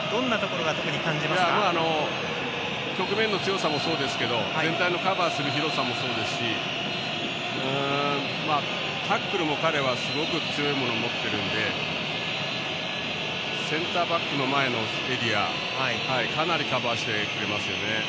局面の強さもそうですけど全体のカバーする広さもそうですしタックルも彼はすごく強いものを持っているのでセンターバックの前のエリアかなりカバーしてくれますよね。